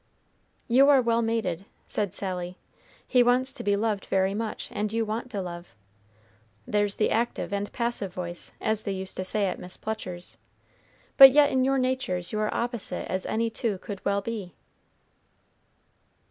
"You are well mated," said Sally. "He wants to be loved very much, and you want to love. There's the active and passive voice, as they used to say at Miss Plucher's. But yet in your natures you are opposite as any two could well be."